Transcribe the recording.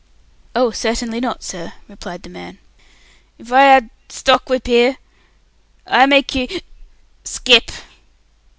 "Oh, certainly not, sir," replied the man. "If I had stockwhip here I'd make you hic skip!